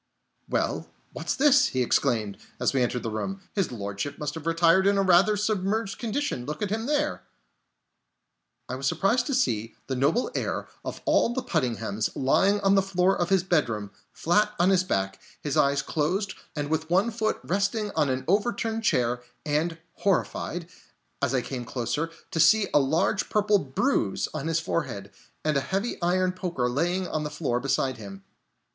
"Hello, what's this?" he exclaimed, as we entered the room. "His Lordship must have retired in a rather submerged condition! Look at him there!" I was surprised to see the noble heir of all the Puddinghams lying on the floor of his bedroom, flat on his back, his eyes closed, and with one foot resting on an overturned chair; and horrified, as I came closer, to see a large purple bruise on his forehead, and a heavy iron poker lying on the floor beside him.